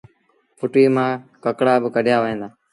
ڦُٽيٚ مآݩ ڪڪڙآ با ڪڍيآ وهيݩ دآ